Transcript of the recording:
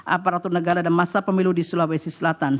aparatur negara dan masa pemilu di sulawesi selatan